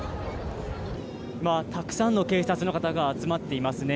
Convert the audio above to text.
今、たくさんの警察の方が集まっていますね。